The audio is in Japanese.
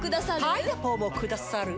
パイナポーもくださるぅ？